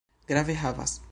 Grave havas.